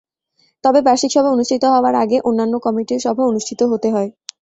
তবে বার্ষিক সভা অনুষ্ঠিত হওয়ার আগে অন্যান্য কমিটির সভা অনুষ্ঠিত হতে হয়।